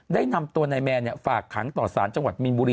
ได้นำตัวนายแมนฝากขังต่อสารจังหวัดมีนบุรี